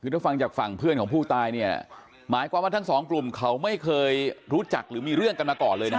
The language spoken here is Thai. คือถ้าฟังจากฝั่งเพื่อนของผู้ตายเนี่ยหมายความว่าทั้งสองกลุ่มเขาไม่เคยรู้จักหรือมีเรื่องกันมาก่อนเลยนะ